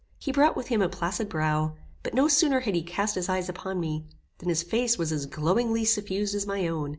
He brought with him a placid brow; but no sooner had he cast his eyes upon me, than his face was as glowingly suffused as my own.